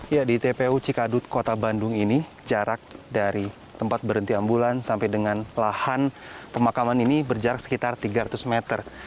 ya di tpu cikadut kota bandung ini jarak dari tempat berhenti ambulan sampai dengan lahan pemakaman ini berjarak sekitar tiga ratus meter